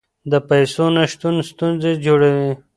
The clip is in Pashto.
د پیسو نشتون ستونزې جوړوي.